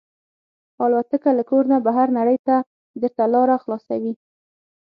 الوتکه له کور نه بهر نړۍ ته درته لاره خلاصوي.